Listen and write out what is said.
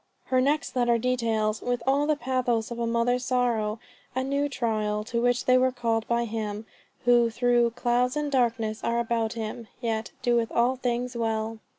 Her next letter details "with all the pathos of a mother's sorrow," a new trial to which they were called by Him, who though "clouds and darkness are about him" yet "doeth all things well."